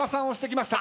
きました！